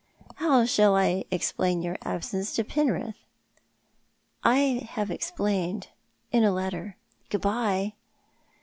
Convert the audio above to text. " How shall I explain your absence to Penrith ?"" I have explained — in a letter. Good bye."